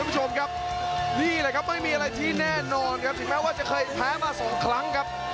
สิมภาพจะเคยแพ้มาสองครั้ง